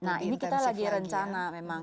nah ini kita lagi rencana memang